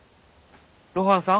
露伴さん